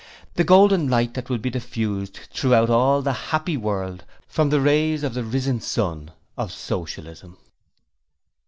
The Golden Light that will be diffused throughout all the happy world from the rays of the risen sun of Socialism.